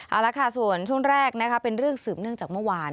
เอาละค่ะส่วนช่วงแรกนะคะเป็นเรื่องสืบเนื่องจากเมื่อวาน